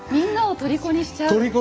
とりこにしちゃう。